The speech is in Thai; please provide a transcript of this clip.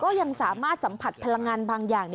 ยังสามารถสัมผัสพลังงานบางอย่าง